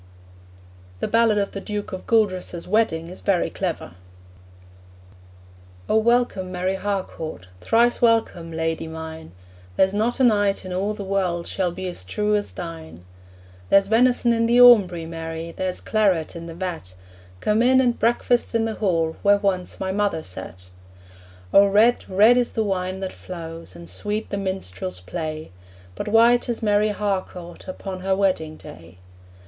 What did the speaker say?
The ballad of the Duke of Gueldres's wedding is very clever: 'O welcome, Mary Harcourt, Thrice welcome, lady mine; There's not a knight in all the world Shall be as true as thine. 'There's venison in the aumbry, Mary, There's claret in the vat; Come in, and breakfast in the hall Where once my mother sat!' O red, red is the wine that flows, And sweet the minstrel's play, But white is Mary Harcourt Upon her wedding day.